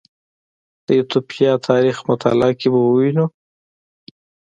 د ایتوپیا تاریخ مطالعه کې به ووینو